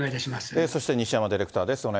そして西山ディレクターです。